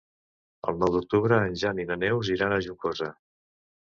El nou d'octubre en Jan i na Neus iran a Juncosa.